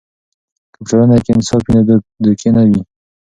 که په ټولنه کې انصاف وي، نو دوکې نه وي.